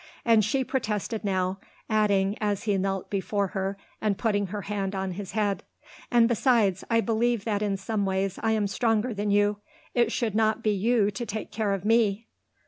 And she protested now, adding, as he knelt before her, and putting her hand on his head: "And besides, I believe that in some ways I am stronger than you. It should not be you to take care of me."